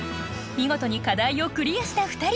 見事に課題をクリアした２人。